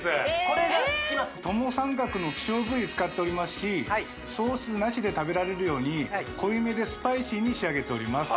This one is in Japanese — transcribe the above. これがつきますともさんかくの希少部位使っておりますしソースなしで食べられるように濃い目でスパイシーに仕上げております